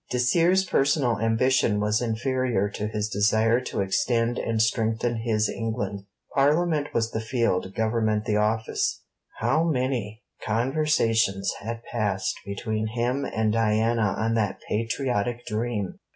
Dacier's personal ambition was inferior to his desire to extend and strengthen his England. Parliament was the field, Government the office. How many conversations had passed between him and Diana on that patriotic dream!